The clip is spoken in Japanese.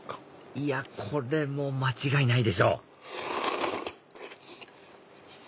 いやこれも間違いないでしょ